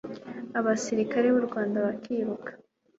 abasirikari b'u Rwanda bakiruka